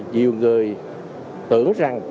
nhiều người tưởng rằng